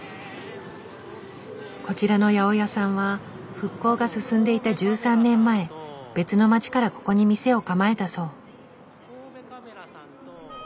こちらの八百屋さんは復興が進んでいた１３年前別の街からここに店を構えたそう。